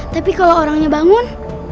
tapi kalau orangnya bangun